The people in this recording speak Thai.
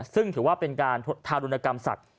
ซึ่งถือว่าเป็นการทารุณกรรมสัตว